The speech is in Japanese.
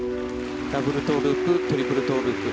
ダブルトウループトリプルトウループ。